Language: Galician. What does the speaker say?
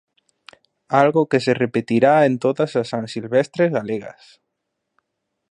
Algo que se repetirá en todas as San Silvestres galegas.